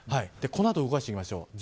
このあと動かしてみましょう。